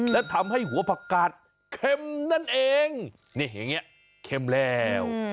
และทำให้หัวผักกาดเค็มนั่นเองนี่อย่างนี้เค็มแล้ว